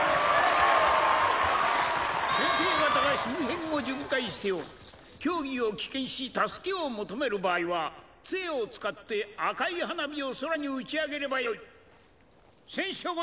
先生方が周辺を巡回しておる競技を棄権し助けを求める場合は杖を使って赤い花火を空に打ち上げればよい選手諸君